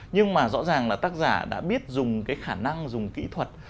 nhưng mà rõ ràng là tác giả đã biết dùng cái khả năng dùng kỹ thuật